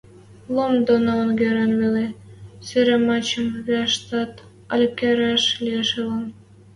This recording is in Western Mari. Лом доно онгырен веле, сыравачым виӓтӓш ӓль кӹрӓш лиэш ылын...